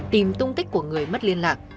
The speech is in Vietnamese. tìm tung tích của người mất liên lạc